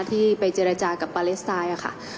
ที่ไปเจรจากับปาเลสไตน์ค่ะ